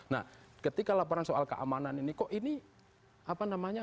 nah ketika laporan soal keamanan ini kok ini apa namanya